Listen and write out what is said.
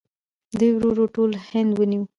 دوی ورو ورو ټول هند ونیو.